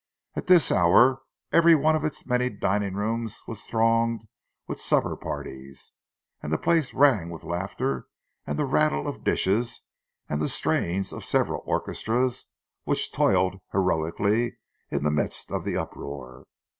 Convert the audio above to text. At this hour every one of its many dining rooms was thronged with supper parties, and the place rang with laughter and the rattle of dishes, and the strains of several orchestras which toiled heroically in the midst of the uproar.